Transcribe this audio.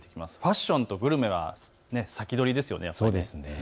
ファッションとグルメは先取りですよね。